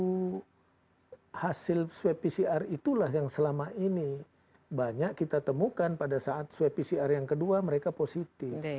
nah hasil swab pcr itulah yang selama ini banyak kita temukan pada saat swab pcr yang kedua mereka positif